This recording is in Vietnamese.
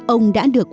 ông đã được